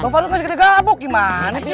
bang faruk gak segitu gabuk gimana sih